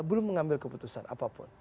belum mengambil keputusan apapun